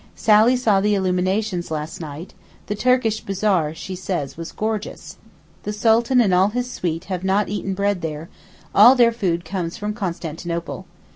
Sally saw the illuminations last night; the Turkish bazaar she says was gorgeous. The Sultan and all his suite have not eaten bread here, all their food comes from Constantinople.